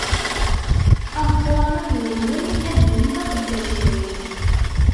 Ameqqran akk deg-wen ad yili d aqeddac-nwen.